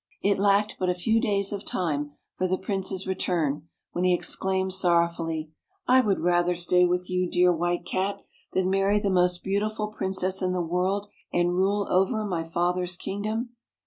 It lacked but a few days of time for the Prince's return, when he exclaimed sorrow fully, " I would rather stay with you, dear White Cat, than marry the most beautiful Princess in the world, and rule over my father's kingdom.